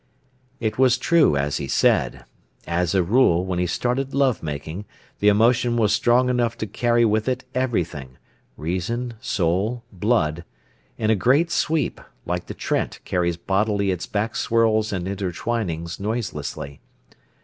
It was true as he said. As a rule, when he started love making, the emotion was strong enough to carry with it everything—reason, soul, blood—in a great sweep, like the Trent carries bodily its back swirls and intertwinings, noiselessly.